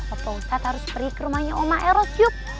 oke ustadz harus pergi ke rumahnya oma eros yuk